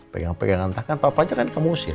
pegang pegang entah kan papa aja kan kamu usir